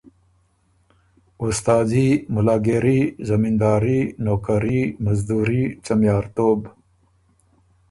استادي، ملاګېري، زمینداري، نوکري، مزدوري، څمیارتوب،